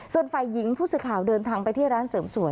ส่วนฝ่ายหญิงผู้สื่อข่าวเดินทางไปที่ร้านเสริมสวย